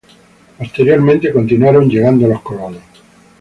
Posteriormente continuaron llegando los colonos.